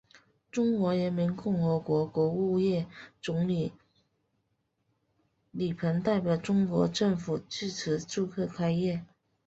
中华人民共和国国务院总理李鹏代表中国政府致词祝贺开业。